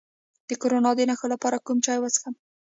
د کرونا د نښو لپاره کوم چای وڅښم؟